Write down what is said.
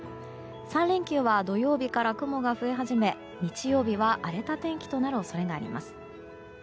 ３連休は土曜日から雲が増え始め日曜日は荒れた天気となる恐れがあります。